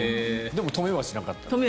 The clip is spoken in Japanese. でも止めはしなかった。